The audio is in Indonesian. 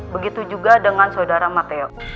begitu juga bu elsa bebas